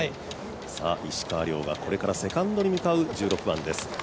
石川遼がこれからセカンドに向かう１６番です。